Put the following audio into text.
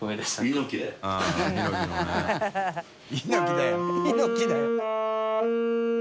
「猪木だよ」））